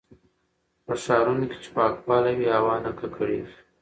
په ښارونو کې چې پاکوالی وي، هوا نه ککړېږي.